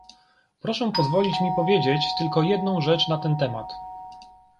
Proszę pozwolić mi powiedzieć tylko jedną rzecz na ten temat